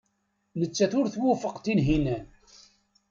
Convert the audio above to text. Nettat ur twufeq Tunhinan.